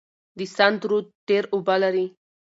د سند رود ډیر اوبه لري.